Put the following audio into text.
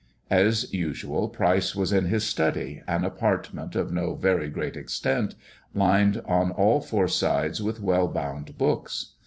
As usual, Pryce was in his study, an apartment of no very great extent, lined on all four sides with well bound books.